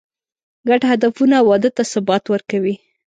ګډ هدفونه واده ته ثبات ورکوي.